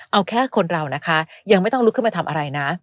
เอาแค่คนเรานะคะยังไม่ต้องลุกขึ้นมาทำอะไรนะ